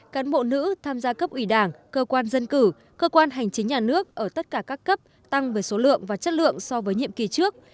cán bộ nữ tham gia cấp ủy đảng cơ quan dân cử cơ quan hành chính nhà nước ở tất cả các cấp tăng về số lượng và chất lượng so với nhiệm kỳ trước